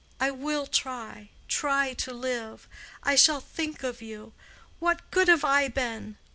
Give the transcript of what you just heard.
I will try—try to live. I shall think of you. What good have I been?